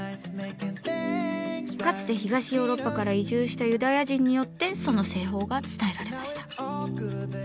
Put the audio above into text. かつて東ヨーロッパから移住したユダヤ人によってその製法が伝えられました。